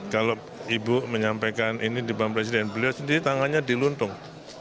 kalau ibu menyampaikan ini di bank presiden beliau sendiri tangannya diluntung